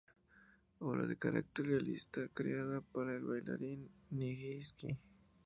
Obra de carácter realista, creada para el bailarín Nijinsky.